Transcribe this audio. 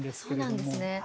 そうなんですね。